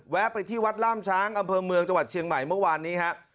ไปที่วัดล่ามช้างอำเภอเมืองจังหวัดเชียงใหม่เมื่อวานนี้ฮะ